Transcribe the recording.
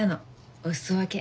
お裾分け。